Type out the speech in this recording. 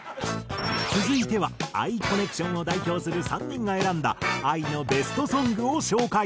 続いては「ＡＩコネクション」を代表する３人が選んだＡＩのベストソングを紹介。